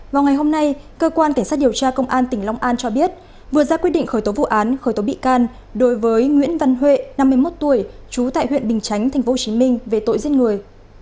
vào ngày hôm nay cơ quan cảnh sát điều tra công an tỉnh long an cho biết vừa ra quyết định khởi tố vụ án khởi tố bị can đối với nguyễn văn huệ năm mươi một tuổi trú tại huyện bình chánh tp hcm về tội giết người